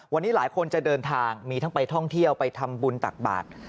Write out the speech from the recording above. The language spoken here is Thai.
วันนี้หลายคนจะเดินทางมีทั้งไปท่องเที่ยวไปทำบุญตักบาท